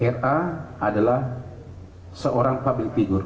ra adalah seorang public figure